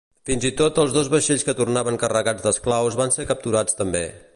Fins i tot els dos vaixells que tornaven carregats d'esclaus van ser capturats també.